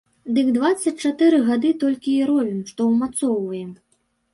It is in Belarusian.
Дык дваццаць чатыры гады толькі і робім, што ўмацоўваем.